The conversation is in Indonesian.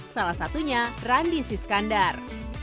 salah satunya randi siskandar